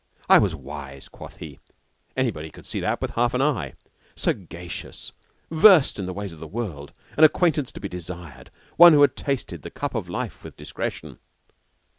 I was wise, quoth he anybody could see that with half an eye; sagacious, versed in the ways of the world, an acquaintance to be desired; one who had tasted the cup of life with discretion.